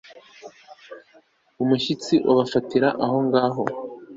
umushyitsi ubafatira aho ngaho